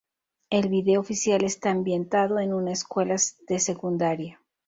El vídeo oficial está ambientado en una escuela de secundaria.